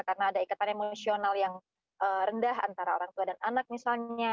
karena ada ikatan emosional yang rendah antara orang tua dan anak misalnya